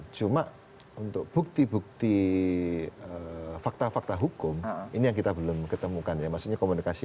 cuma untuk bukti bukti fakta fakta hukum ini yang kita belum ketemukan ya maksudnya komunikasi